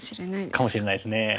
かもしれないですね。